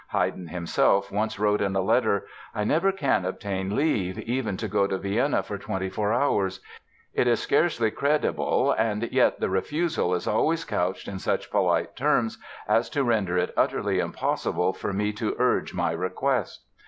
Haydn himself once wrote in a letter: "I never can obtain leave, even to go to Vienna for twenty four hours. It is scarcely credible, and yet the refusal is always couched in such polite terms as to render it utterly impossible for me to urge my request."